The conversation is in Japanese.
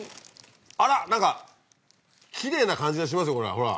あら何かきれいな感じがしますよこれほら。